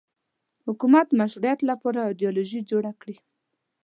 حکومت مشروعیت لپاره ایدیالوژي جوړه کړي